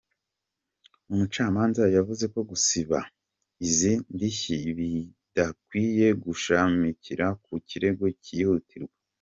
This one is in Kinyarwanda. Umucamanza yavuze ko gusaba izi ndishyi bidakwiye gushamikira ku kirego cyihutirwa.